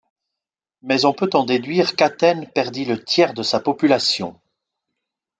Mais on peut en déduire qu'Athènes perdit le tiers de sa population.